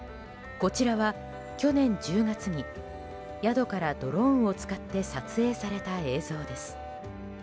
こちらは去年１０月に宿からドローンを使って撮影された映像です。